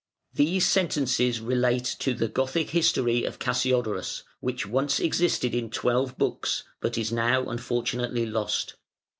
These sentences relate to the "Gothic History" of Cassiodorus, which once existed in twelve books, but is now unfortunately lost.